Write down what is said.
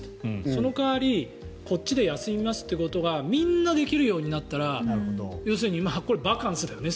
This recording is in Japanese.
その代わりこっちで休みますということがみんなできるようになったら要するにバカンスだよね。